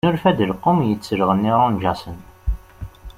Yennulfa-d lqum yettelleɣen irunǧasen.